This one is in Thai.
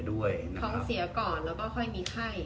ท้องเสียก่อนแล้วก็ค่อยมีไข้